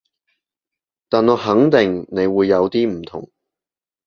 但我肯定你會有啲唔同